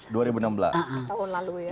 tahun lalu ya